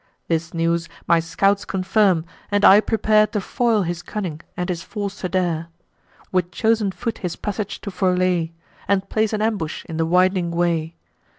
This news my scouts confirm, and I prepare To foil his cunning, and his force to dare; With chosen foot his passage to forelay, And place an ambush in the winding way.